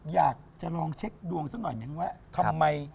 อยากจะลองเช็คดวงสักหน่อยนึงว่าทำไม